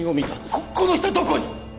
ここの人どこに？